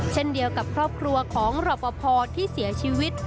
เช่นเดียวกับครอบครัวของรอปภที่เสียชีวิต